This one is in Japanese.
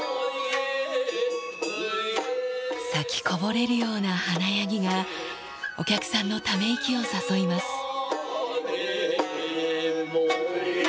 咲きこぼれるような華やぎが、お客さんのため息を誘います。